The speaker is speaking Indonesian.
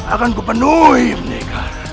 akan kupenuhi menegar